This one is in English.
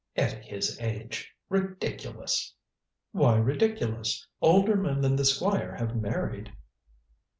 "At his age. Ridiculous!" "Why ridiculous? Older men than the Squire have married."